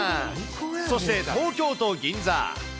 そして東京都銀座。